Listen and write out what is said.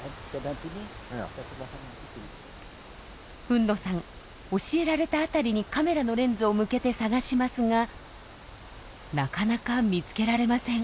海野さん教えられた辺りにカメラのレンズを向けて探しますがなかなか見つけられません。